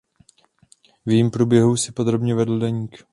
V jejím průběhu si podrobně vedl deník.